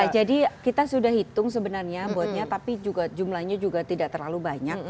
jadi kita sudah hitung sebenarnya botnya tapi jumlahnya juga tidak terlalu banyak